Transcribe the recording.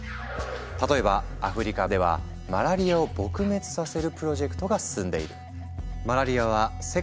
例えばアフリカではマラリアを撲滅させるプロジェクトが進んでいる。